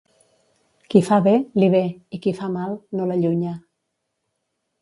Qui fa bé, li ve; i qui fa mal, no l'allunya.